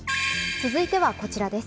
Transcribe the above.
続いてはこちらです。